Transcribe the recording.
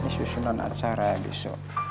susunan acara besok